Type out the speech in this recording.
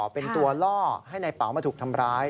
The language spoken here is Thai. เป็นตัวล่อให้นายเป๋ามาถูกทำร้าย